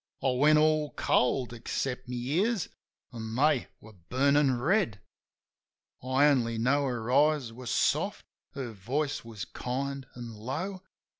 I went all cold, except my ears, an' they were burnin' red. I only know her eyes were soft, her voice was kind an' low.